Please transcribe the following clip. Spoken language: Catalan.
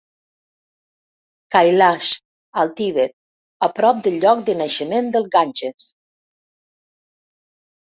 Kailash, al Tibet, a prop del lloc de naixement del Ganges.